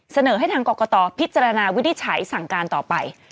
เสนอให้ทางกรกตพิจารณาวินิจฉัยสั่งการต่อไป